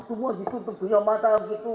semua itu untuk tunjuk mata